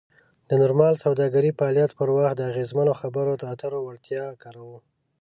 د نورمال سوداګریز فعالیت پر وخت د اغیزمنو خبرو اترو وړتیا کاروو.